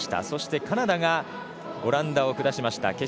そして、カナダがオランダを下しました。